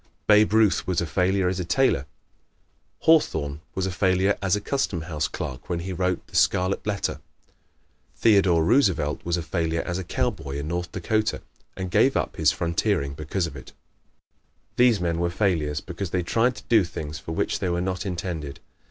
Babe Ruth was a failure as a tailor. Hawthorne was a failure as a Custom House clerk when he wrote the "Scarlet Letter." Theodore Roosevelt was a failure as a cowboy in North Dakota and gave up his frontiering because of it. These men were failures because they tried to do things for which they were not intended.